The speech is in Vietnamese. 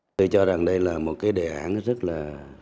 tôi cho rằng đây là một cái đề án rất là